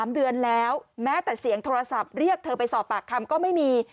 ๓เดือนแล้วแม้แต่เสียงโทรศัพท์เรียกเธอไปสอบปากคำก็ไม่มี